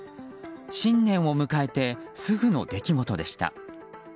新年を迎えてすぐの出来事でした。